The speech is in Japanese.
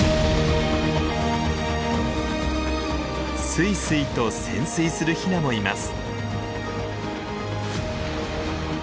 スイスイと潜水するヒナもいます。